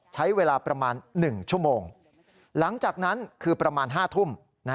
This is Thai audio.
ใช้เวลาประมาณ๑ชั่วโมงหลังจากนั้นคือประมาณ๕ทุ่ม